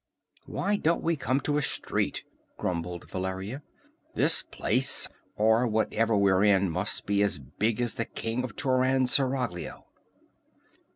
"Why don't we come to a street?" grumbled Valeria. "This place or whatever we're in must be as big as the king of Turan's seraglio."